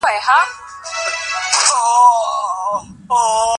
خبرتیا د خلکو ترمنځ اړیکې پیاوړې کوي.